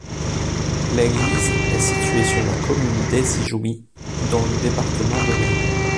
L'église est située sur la commune d'Aizy-Jouy, dans le département de l'Aisne.